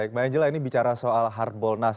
baik mbak angela ini bicara soal harbolnas